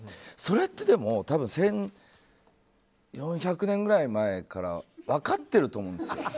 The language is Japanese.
それって多分１４００年ぐらい前から分かってると思うんですよ。